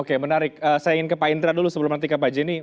oke menarik saya ingin ke pak indra dulu sebelum nanti ke pak jenny